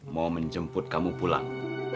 mau menjemput kamu pulang